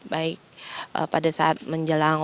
baik pada saat menjelang